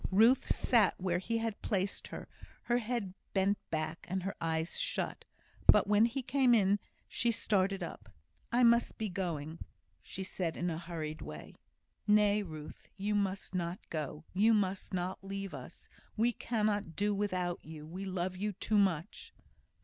Ruth sat where he had placed her, her head bent back, and her eyes shut. But when he came in she started up. "I must be going," she said, in a hurried way. "Nay, Ruth, you must not go. You must not leave us. We cannot do without you. We love you too much."